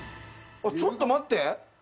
ちょっと待って！